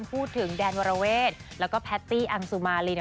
พูดถึงแดนวรเวศแล้วก็แพตตี้อังสุมารี